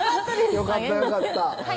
よかったよかった